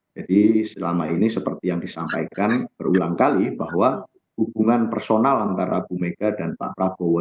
jadi selama ini seperti yang disampaikan berulang kali bahwa hubungan personal antara ibu megawati dan pak prabowo